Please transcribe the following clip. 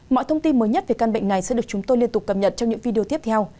mọi thông tin mới nhất về căn bệnh này sẽ được chúng tôi liên tục cập nhật trong những video tiếp theo